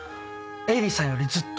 エリーさんよりずっと。